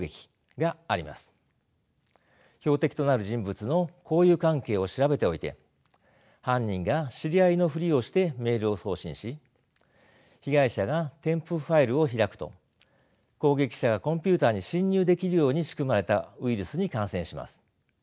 標的となる人物の交友関係を調べておいて犯人が知り合いのふりをしてメールを送信し被害者が添付ファイルを開くと攻撃者がコンピューターに侵入できるように仕組まれたウイルスに感染します。